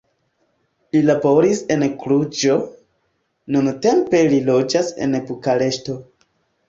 Li laboris en Kluĵo, nuntempe li loĝas en Bukareŝto.